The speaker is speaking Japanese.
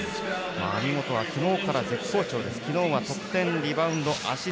網本は昨日から絶好調。